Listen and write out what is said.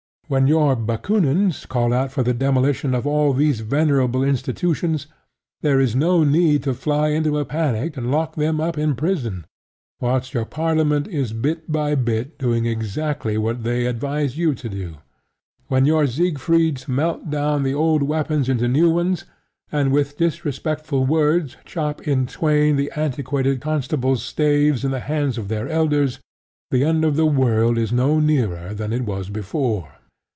When your Bakoonins call out for the demolition of all these venerable institutions, there is no need to fly into a panic and lock them up in prison whilst your parliament is bit by bit doing exactly what they advised you to do. When your Siegfrieds melt down the old weapons into new ones, and with disrespectful words chop in twain the antiquated constable's staves in the hands of their elders, the end of the world is no nearer than it was before.